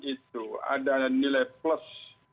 itu ada nilai plus